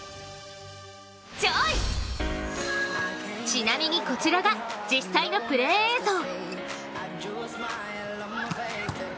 ちなみにこちらが実際のプレー映像。